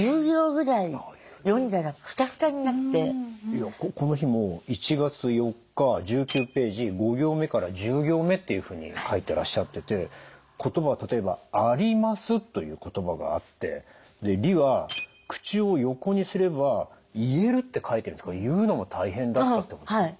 その時はこの日も１月４日１９ページ５行目から１０行目っていうふうに書いてらっしゃってて言葉は例えば「あります」という言葉があって「り」は「口を横にすれば言える」って書いてるんですが言うのも大変だったってことですか？